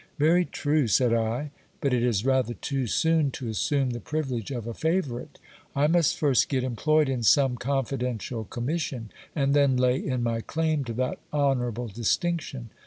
Yery true, said I : but it is rather too soon to assume the privilege of a favourite. I must first get employed in some confidential commission, and then lay in my claim to that honourable distinction.